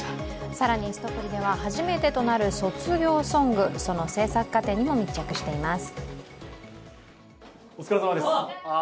更にすとぷりでは初めてとなる卒業ソングその制作過程にも密着しています。